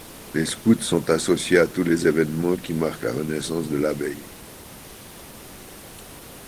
Les scouts sont associés à tous les événements qui marquent la renaissance de l’abbaye.